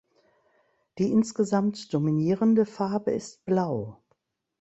Die insgesamt dominierende Farbe ist Blau.